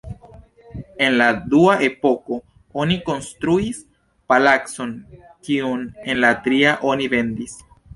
En la dua epoko oni konstruis palacon, kiun en la tria oni vendis.